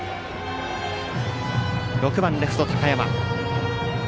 ６番レフト高山。